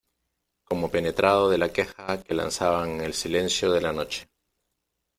como penetrado de la queja que lanzaban en el silencio de la noche.